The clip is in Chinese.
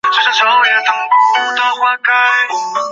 该寺组织机构由堪布组成。